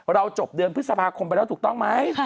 จบเดือนพฤษภาคมไปแล้วถูกต้องไหม